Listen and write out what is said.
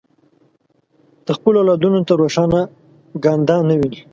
د خپلو اولادونو ته روښانه ګانده نه ویني.